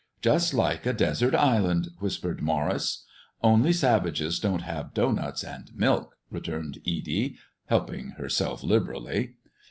"Just like a desert island," whispered Maurice. "Only savages don't have doughnuts and milk," returned Edie, helping herself liberally.